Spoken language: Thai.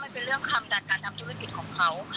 มันเป็นเรื่องคำดังการทำธุรกิจของเขา